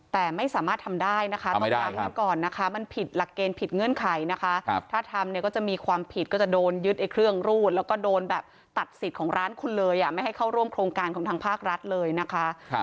แต่ไม่สามารถทำได้นะคะต้องย้ำกันก่อนนะคะมันผิดหลักเกณฑ์ผิดเงื่อนไขนะคะถ้าทำเนี่ยก็จะมีความผิดก็จะโดนยึดไอ้เครื่องรูดแล้วก็โดนแบบตัดสิทธิ์ของร้านคุณเลยไม่ให้เข้าร่วมโครงการของทางภาครัฐเลยนะคะ